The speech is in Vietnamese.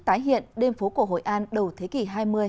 tái hiện đêm phố cổ hội an đầu thế kỷ hai mươi